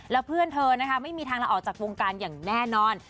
แล้วเพื่อนเธอนะคะไม่มีทางลาออกจากวงการอย่างแน่นอน